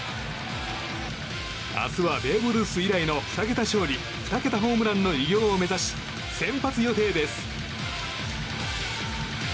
明日はベーブ・ルース以来の２桁勝利２桁ホームランの偉業を目指し、先発予定です。